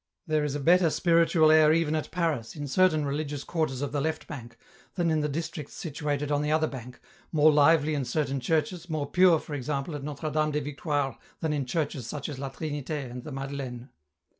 There is a better spiritual air even at Paris, in certain religious quarters of the left bank, than in the districts situated on the other bank, more lively in certain churches, more pure, for example, at Notre Dame des Victoires than in churches such as La Trinitd and the Madeleine.